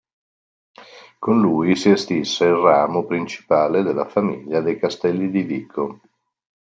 Con lui si estinse il ramo principale della famiglia dei Castelli di Vico.